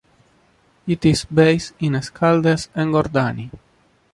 It is based in Escaldes-Engordany.